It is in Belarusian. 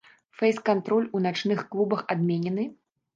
Фэйс-кантроль у начных клубах адменены?